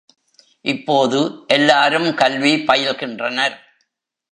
இப்போது எல்லாரும் கல்வி பயில்கின்றனர்.